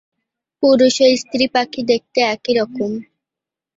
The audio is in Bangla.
পুরুষ ও স্ত্রী পাখি দেখতে একই রকম।